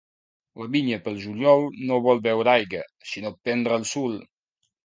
La vinya, pel juliol, no vol beure aigua, sinó prendre el sol.